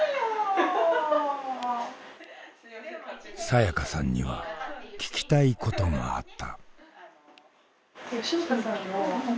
さやかさんには聞きたいことがあった。